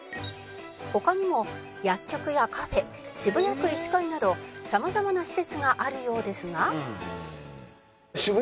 「他にも薬局やカフェ渋谷区医師会など様々な施設があるようですが」